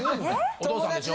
お父さんでしょ？